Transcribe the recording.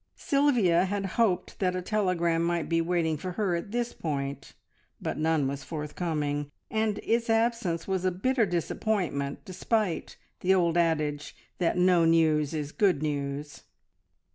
Sylvia had hoped that a telegram might be waiting for her at this point, but none was forthcoming, and its absence was a bitter disappointment despite the old adage that no news is good news.